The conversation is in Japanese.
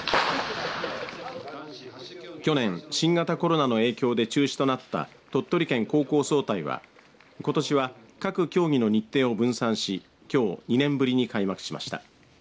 去年、新型コロナの影響で中止となった鳥取県高校総体はことしは各競技の日程を分散しきょう２年ぶりに開幕しました。